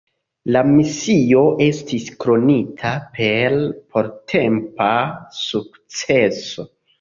La misio estis kronita per portempa sukceso.